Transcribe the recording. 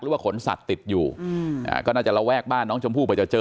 ว่าขนสัตว์ติดอยู่อืมอ่าก็น่าจะระแวกบ้านน้องชมพู่กว่าจะเจอ